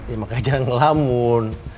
emang gak jalan ngelamun